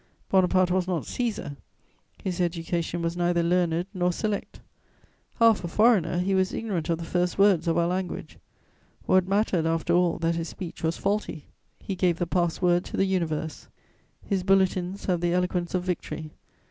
Bonaparte was not Cæsar; his education was neither learned nor select; half a foreigner, he was ignorant of the first words of our language: what mattered, after all, that his speech was faulty? He gave the pass word to the universe. His bulletins have the eloquence of victory.